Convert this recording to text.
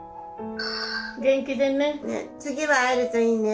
元気でね。